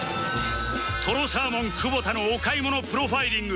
とろサーモン久保田のお買い物プロファイリング！